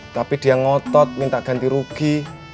tapi dia ngotot minta ganti rugi